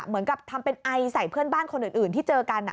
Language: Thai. เหมือนกับทำเป็นไอใส่เพื่อนบ้านคนอื่นที่เจอกัน